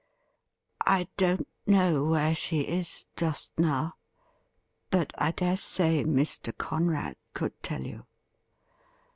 I don't know where she is just now, but I dare say Mr. Conrad could tell you.'